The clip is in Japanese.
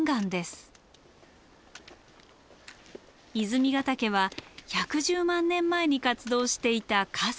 泉ヶ岳は１１０万年前に活動していた火山。